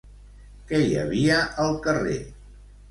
Què hi havia al carrer?